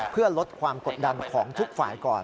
เพื่อลดความกดดันของทุกฝ่ายก่อน